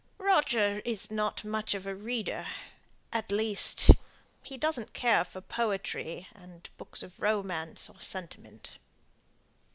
Roger is not much of a reader; at least, he doesn't care for poetry, and books of romance, or sentiment.